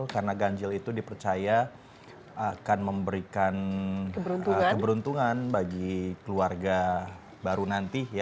karena ganjil itu dipercaya akan memberikan keberuntungan bagi keluarga baru nanti ya